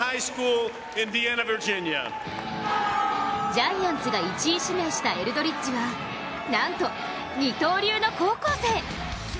ジャイアンツが１位指名したエルドリッジはなんと、二刀流の高校生。